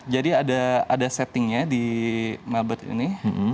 jadi ada settingnya di mailbird ini